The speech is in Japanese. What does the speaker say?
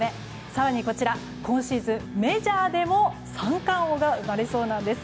更に今シーズン、メジャーでも三冠王が生まれそうなんです。